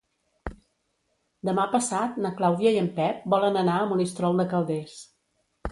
Demà passat na Clàudia i en Pep volen anar a Monistrol de Calders.